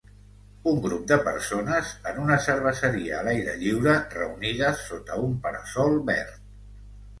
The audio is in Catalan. Un grup de persones en una cerveseria a l'aire lliure reunides sota un para-sol verd.